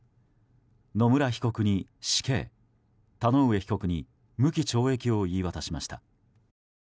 野村被告に死刑、田上被告に無期懲役を言い渡しました。